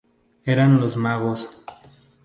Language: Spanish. Eran los magos.